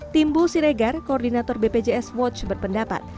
timbul siregar koordinator bpjs watch berpendapat